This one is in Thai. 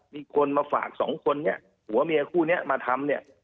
มีคนมาฝากสองคนเนี่ยผัวเมียคู่นี้มาทำเนี่ย